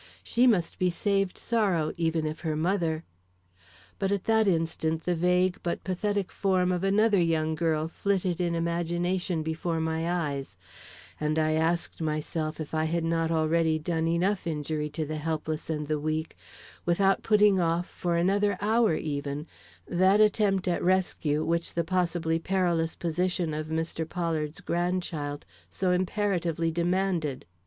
She must be saved sorrow even if her mother But at that instant the vague but pathetic form of another young girl flitted in imagination before my eyes, and I asked myself if I had not already done enough injury to the helpless and the weak, without putting off for another hour even that attempt at rescue, which the possibly perilous position of Mr. Pollard's grandchild so imperatively demanded.